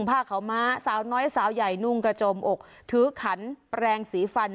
ผ้าขาวม้าสาวน้อยสาวใหญ่นุ่งกระโจมอกถือขันแปลงสีฟัน